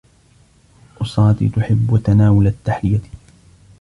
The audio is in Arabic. أسرتي تحبّ تناول التّحلية.